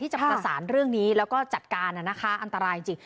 จะประสานเรื่องนี้แล้วก็จัดการนะคะอันตรายจริง